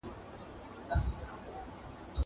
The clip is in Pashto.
دا وخت له هغه مهم دی!!